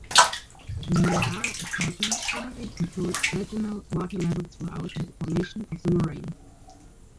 The Niagara Escarpment probably controlled regional water levels throughout the formation of the moraine.